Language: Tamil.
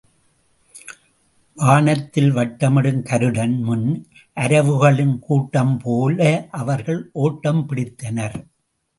வானத்தில் வட்டமிடும் கருடன் முன் அரவுகளின் கூட்டம் போல அவர்கள் ஒட்டம் பிடித்தனர்.